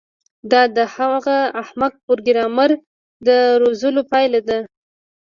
دا د هغه احمق پروګرامر د روزلو پایله ده